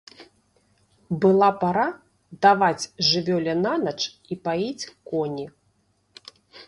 Была пара даваць жывёле нанач і паіць коні.